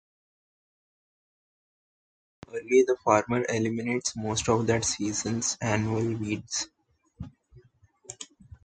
By destroying them early, the farmer eliminates most of that season's annual weeds.